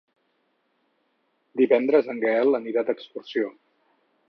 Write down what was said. Divendres en Gaël anirà d'excursió.